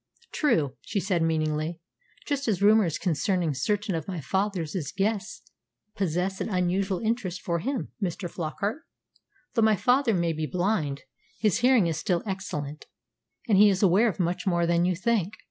"True," she said meaningly. "Just as rumours concerning certain of my father's guests possess an unusual interest for him, Mr. Flockart. Though my father may be blind, his hearing is still excellent. And he is aware of much more than you think."